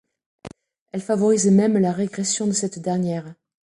Elle favorise même la régression de cette dernière.